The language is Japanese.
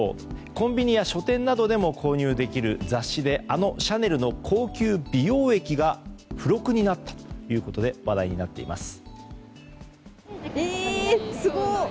コンビニや書店などでも購入できる雑誌であのシャネルの高級美容液が付録になったということで話題になっています。